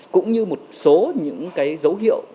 cũng như một số những cái dấu hiệu